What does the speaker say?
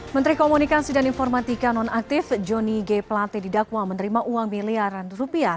menteri komunikasi dan informatika nonaktif joni g plate didakwa menerima uang miliaran rupiah